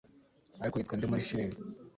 Ariko yitwa nde muri firime